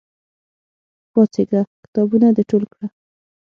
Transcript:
پاڅېږه! کتابونه د ټول کړه!